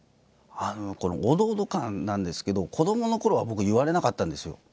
このオドオド感なんですけど子どものころは僕言われなかったんですよ。